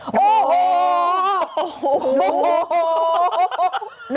โอ้โห